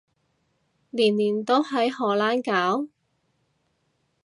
年年都喺荷蘭搞？